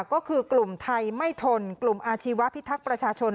ก็คือกลุ่มไทยไม่ทนกลุ่มอาชีวะพิทักษ์ประชาชน